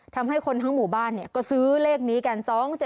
ทำให้คนทั้งหมู่บ้านก็ซื้อเลขนี้กัน๒๗๗